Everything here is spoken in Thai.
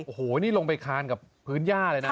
โอ้โหนี่ลงไปคานกับพื้นย่าเลยนะ